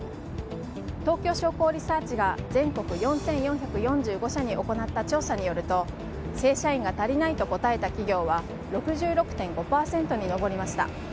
東京商工リサーチが全国４４４５社に行った調査によると正社員が足りないと答えた企業は６６．５％に上りました。